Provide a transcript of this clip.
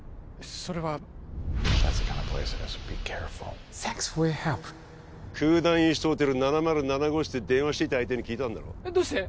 それはクーダンイーストホテル７０７号室で電話していた相手に聞いたんだろどうして？